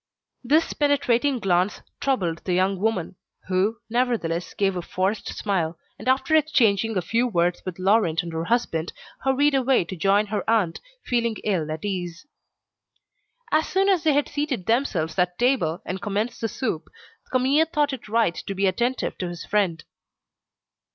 This penetrating glance troubled the young woman, who, nevertheless, gave a forced smile, and after exchanging a few words with Laurent and her husband, hurried away to join her aunt, feeling ill at ease. As soon as they had seated themselves at table, and commenced the soup, Camille thought it right to be attentive to his friend.